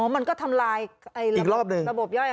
อ๋อมันก็ทำลายระบบย่อยอาหารซ้ำอีกรอบหนึ่ง